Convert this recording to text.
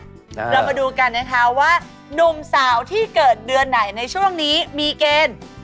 เรามาดูกันนะคะว่านุ่มสาวที่เกิดเดือนไหนในช่วงนี้มีเกณฑ์